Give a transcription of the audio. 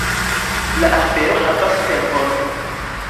La afero havas tempon.